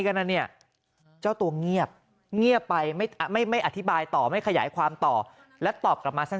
กันนะเนี่ยเจ้าตัวเงียบเงียบไปไม่ไม่อธิบายต่อไม่ขยายความต่อและตอบกลับมาสัก